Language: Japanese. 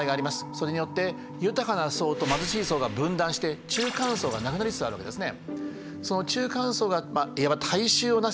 それによって豊かな層と貧しい層が分断して中間層がなくなりつつあるわけですね。